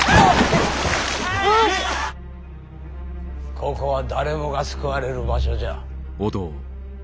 ここは誰もが救われる場所じゃ。